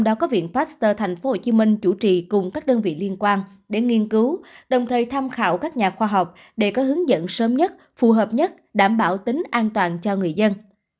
các nhà khoa học cho rằng cần tiến hành thêm nghiên cứu để đánh giá về khả năng bảo tính an toàn cho người dân